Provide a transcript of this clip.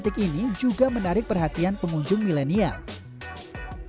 titik ini juga menarik perhatian pengunjung milenial